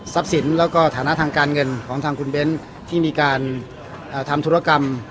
สินแล้วก็ฐานะทางการเงินของทางคุณเบ้นที่มีการทำธุรกรรม